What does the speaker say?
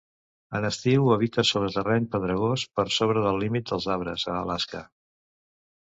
En estiu habita sobre terreny pedregós per sobre del límit dels arbres, a Alaska.